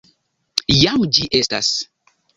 Jam ĝi estas.